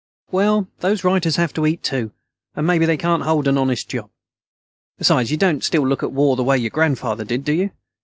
"Well, those writers have to eat, too. And maybe they can't hold an honest job. Besides, you don't still look at war the way your grandfather did, do you?